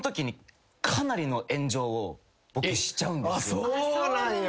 あっそうなんだ。